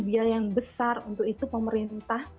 biaya yang besar untuk itu pemerintah